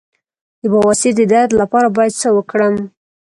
د بواسیر د درد لپاره باید څه وکړم؟